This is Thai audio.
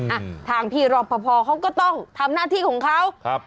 อ่ะทางพี่รอปภเขาก็ต้องทำหน้าที่ของเขาครับ